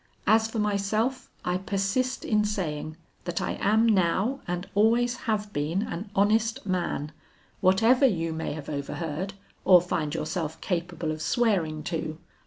As for myself, I persist in saying that I am now and always have been an honest man, whatever you may have overheard or find yourself capable of swearing to.